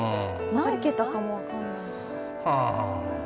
何桁かも分かんない。